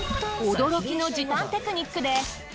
驚きの時短テクニックで。